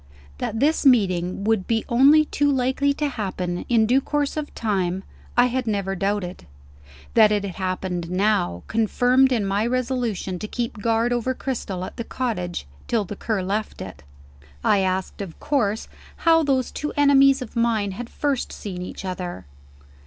That this meeting would be only too likely to happen, in due course of time, I had never doubted. That it had happened, now, confirmed me in my resolution to keep guard over Cristel at the cottage, till the Cur left it. I asked, of course, how those two enemies of mine had first seen each other.